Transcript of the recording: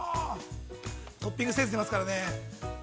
◆トッピングはセンスが出ますからね。